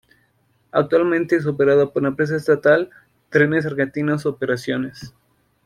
Actualmente es operado por la empresa estatal Trenes Argentinos Operaciones.